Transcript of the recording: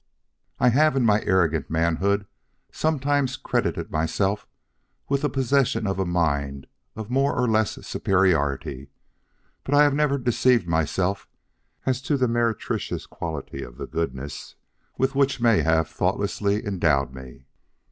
"I have in my arrogant manhood sometimes credited myself with the possession of a mind of more or less superiority; but I have never deceived myself as to the meretricious quality of the goodness with which many have thoughtlessly endowed me.